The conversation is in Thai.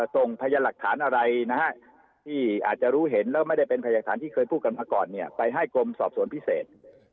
ส่งพยานหลักฐานอะไรที่อาจจะรู้เห็นแล้วไม่ได้เป็นพยากฐานที่เคยพูดกันมาก่อนไปให้กรมสอบสวนพิเศษ